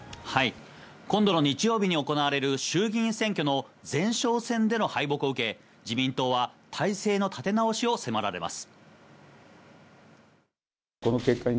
今度の日曜日に行われる衆議院選挙の前哨戦での敗北を受け、自民党は態勢の立て直しを迫られます。